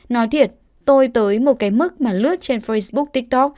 nói thiệt tôi tới một cái mức mà lướt trên facebook tiktok